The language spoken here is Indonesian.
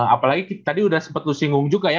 apalagi tadi udah sempet lu singgung juga ya